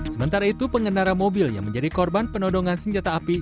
sementara itu pengendara mobil yang menjadi korban penodongan senjata api